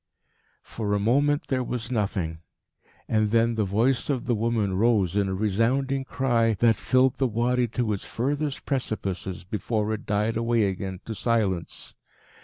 For a moment there was nothing. And then the voice of the woman rose in a resounding cry that filled the Wadi to its furthest precipices, before it died away again to silence.